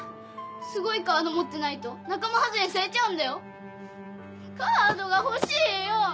すごいカード持ってないと仲間外れにされカードが欲しいよ！